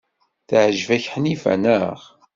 Teɛjeb-ak Ḥnifa, naɣ?